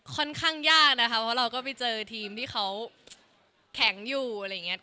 ค่อนข้างยากนะคะเพราะเราก็ไปเจอทีมที่เขาแข็งอยู่อะไรอย่างนี้